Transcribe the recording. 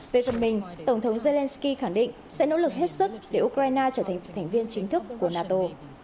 về phần mình tổng thống zelensky khẳng định sẽ nỗ lực hết sức để ukraine trở thành thành viên chính thức của nato